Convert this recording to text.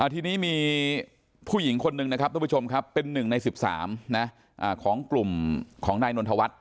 ทีนี้มีผู้หญิงคนหนึ่งนะครับเป็นหนึ่งใน๑๓ของกลุ่มของนายนวลธวัฒน์